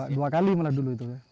dua kali malah dulu itu